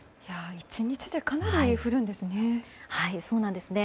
１日でかなり降るんですね。